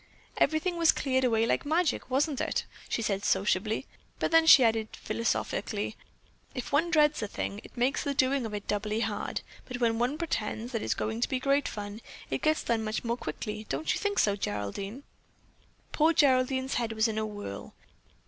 "Everything was cleared away like magic, wasn't it?" she said sociably; then she added philosophically: "If one dreads a thing, that makes the doing of it doubly hard, but when one pretends that it is going to be great fun, it gets done much more quickly; don't you think so, Geraldine?" Poor Geraldine's head was in a whirl.